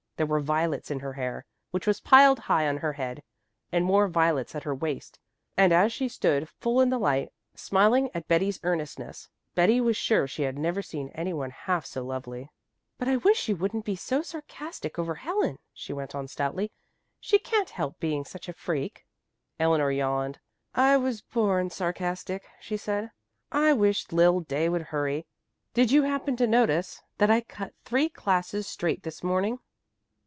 There were violets in her hair, which was piled high on her head, and more violets at her waist; and as she stood full in the light, smiling at Betty's earnestness, Betty was sure she had never seen any one half so lovely. "But I wish you wouldn't be so sarcastic over Helen," she went on stoutly. "She can't help being such a freak." Eleanor yawned. "I was born sarcastic," she said. "I wish Lil Day would hurry. Did you happen to notice that I cut three classes straight this morning?"